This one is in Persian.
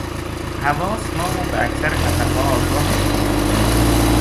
حواس ما را به اکثر خطرها آگاه میکند.